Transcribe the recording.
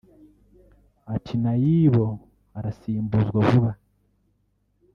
Ati “Naibo arasimbuzwa vuba